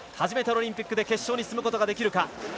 初めてのオリンピックで決勝に進むことができるか。